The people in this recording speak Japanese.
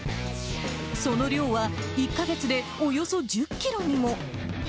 その量は、１か月でおよそ１０キロにも。